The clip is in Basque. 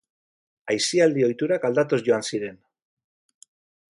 Aisialdi ohiturak aldatuz joan ziren.